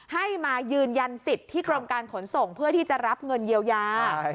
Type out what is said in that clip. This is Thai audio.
ให้มายืนยันสิทธิ์ที่กรมการขนส่งเพื่อที่จะรับเงินเยียวยา